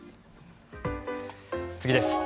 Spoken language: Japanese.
次です。